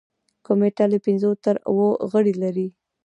کمیټه له پنځو تر اوو غړي لري.